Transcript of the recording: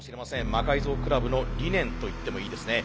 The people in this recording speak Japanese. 魔改造倶楽部の理念といってもいいですね。